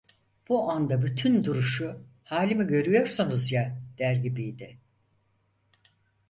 Bu anda bütün duruşu: "Halimi görüyorsunuz ya!" der gibiydi.